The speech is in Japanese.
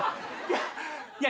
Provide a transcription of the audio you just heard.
いや。